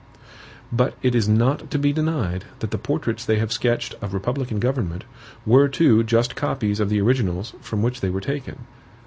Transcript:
But it is not to be denied that the portraits they have sketched of republican government were too just copies of the originals from which they were taken.